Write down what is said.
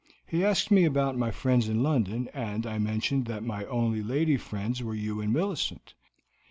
He asked me about my friends in London, and I mentioned that my only lady friends were you and Millicent.